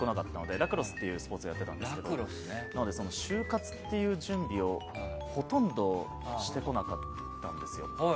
ラクロスっていうスポーツをやってきたのでなので、就活という準備をほとんどしてこなかったんですよ。